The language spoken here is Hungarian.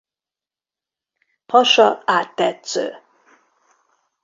Hasa áttetsző.